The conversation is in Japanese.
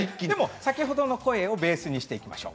先ほどの声をベースにしていきましょう。